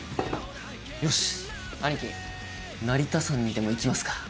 よしアニキ成田山にでも行きますか。